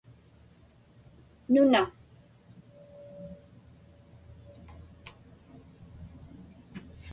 nuna